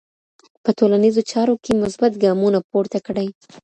په ټولنيزو چارو کي مثبت ګامونه پورته کړئ.